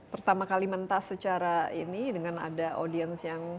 pertama kali mentas secara ini dengan ada audiens yang